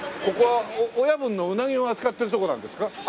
ここは親分のうなぎを扱っているとこなんですか？